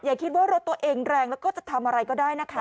อย่าคิดว่ารถตัวเองแรงแล้วก็จะทำอะไรก็ได้นะคะ